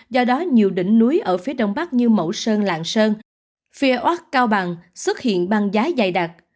do đó nhiều đỉnh núi ở phía đông bắc như mẫu sơn lạng sơn phi úc cao bằng xuất hiện băng giá dày đặc